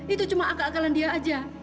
itu cuma angka angkalan dia aja